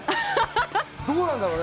どうなんだろう。